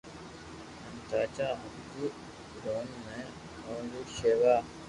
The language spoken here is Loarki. ھين راجا آپري دوھن ۾ اوري ݾيوا